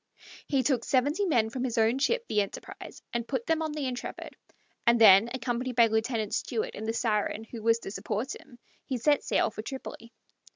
He took seventy men from his own ship, the Enterprise, and put them on the Intrepid, and then, accompanied by Lieutenant Stewart in the Siren, who was to support him, he set sail for Tripoli.